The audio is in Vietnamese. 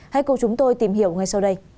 hãy cùng chúng tôi tìm hiểu ngay sau đây